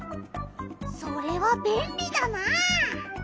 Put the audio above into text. それはべんりだなあ！